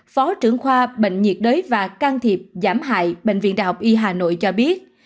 phó trưởng khoa bệnh nhiệt đới và can thiệp giảm hại bệnh viện đại học y hà nội cho biết